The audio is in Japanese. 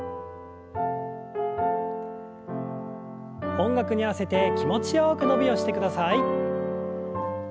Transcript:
音楽に合わせて気持ちよく伸びをしてください。